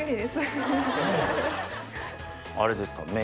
あれですか？